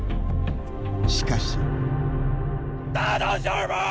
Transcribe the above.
しかし。